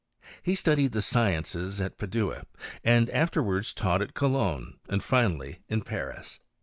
He studied the sciences at Padua, and afterwards taught at Cologne, and finally in Paris.